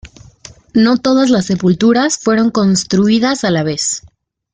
No todas las sepulturas fueron construidas a la vez.